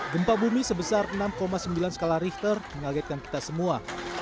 gempa bumi sebesar enam sembilan skala richter mengagetkan kita semua